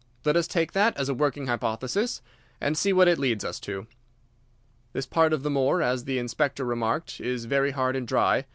Let us take that as a working hypothesis and see what it leads us to. This part of the moor, as the Inspector remarked, is very hard and dry.